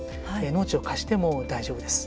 農地を貸しても大丈夫です。